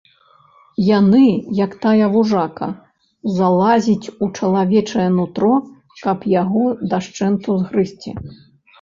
Яна, як тая вужака, залазіць у чалавечае нутро, каб яго дашчэнту згрызці.